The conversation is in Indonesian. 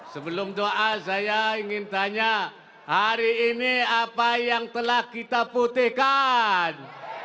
sebelum doa saya ingin tanya hari ini apa yang telah kita putihkan